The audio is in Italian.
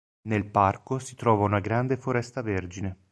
Nel parco si trova una grande foresta vergine.